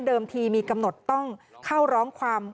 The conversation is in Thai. ทีมีกำหนดต้องเข้าร้องความ